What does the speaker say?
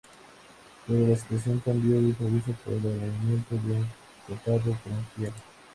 Pero la situación cambió de improviso por el agravamiento de un catarro bronquial.